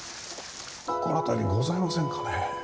心当たりございませんかね？